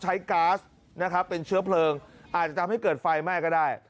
ใช้กาสเป็นเชื้อเพลิงอาจจะทำให้เกิดไฟไม่ก็ได้